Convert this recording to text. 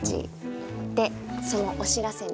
でそのお知らせに。